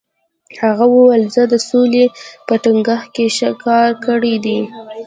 هغه وویل، زه د سولې په ټینګښت کې ښه کار کړی دی.